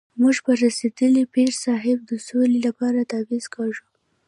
موږ په رسېدلي پیر صاحب د سولې لپاره تعویض کاږو.